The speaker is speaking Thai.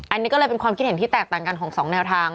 อันนี้ก็เลยเป็นความคิดเห็นที่แตกต่างกันของสองแนวทาง